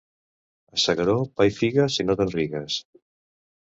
A S'Agaró, pa i figues i no te'n rigues.